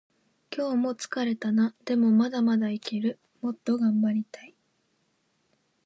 今日も疲れたな。でもまだまだいける。もっと頑張りたい。